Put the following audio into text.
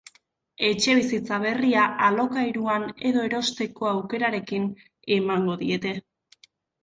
Etxebizitza berria alokairuan edo erosteko aukerarekin emango diete.